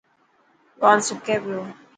ٽوال سڪي پيو.